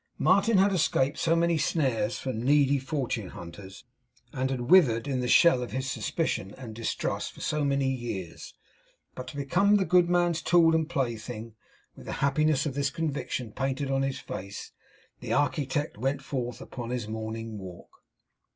Martin had escaped so many snares from needy fortune hunters, and had withered in the shell of his suspicion and distrust for so many years, but to become the good man's tool and plaything. With the happiness of this conviction painted on his face, the architect went forth upon his morning walk.